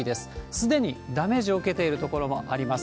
すでにダメージを受けている所もあります。